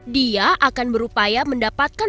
dia akan berupaya mendapatkan